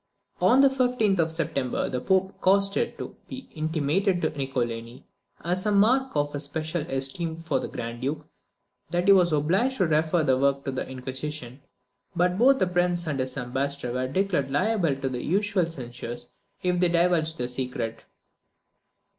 On the 15th of September the Pope caused it to be intimated to Niccolini, as a mark of his especial esteem for the Grand Duke, that he was obliged to refer the work to the Inquisition; but both the prince and his ambassador were declared liable to the usual censures if they divulged the secret.